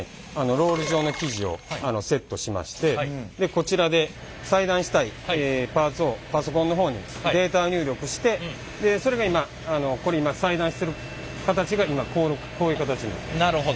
ロール状の生地をセットしましてこちらで裁断したいパーツをパソコンの方にデータ入力してでそれが今ここに裁断してる形が今こういう形になります。